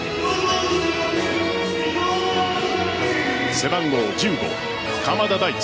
背番号１５・鎌田大地